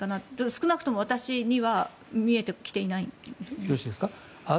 少なくとも私には見えてきていないんですね。